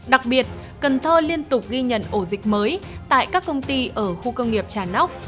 đặc biệt cần thơ liên tục ghi nhận ổ dịch mới tại các công ty ở khu công nghiệp trà nóc